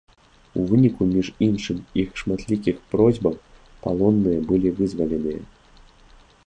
У выніку між іншым іх шматлікіх просьбаў, палонныя былі вызваленыя.